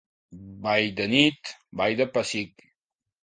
Ball de nit, ball de pessic.